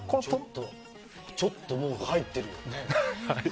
ちょっともう、入っている。